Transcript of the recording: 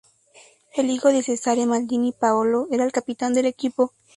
El hijo de Cesare Maldini, Paolo, era el capitán del equipo.